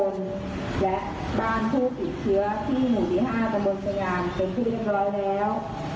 และบ้านภูติเชื้อที่หนึ่งที่ห้าบนโบรอบไสงามเป็นคลิปทั้งร้อยแล้ว